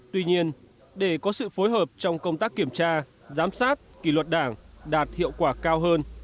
tuy nhiên để có sự phối hợp trong công tác kiểm tra giám sát kỷ luật đảng đạt hiệu quả cao hơn